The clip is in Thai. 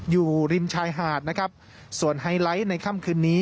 อยู่ริมชายหาดนะครับส่วนไฮไลท์ในค่ำคืนนี้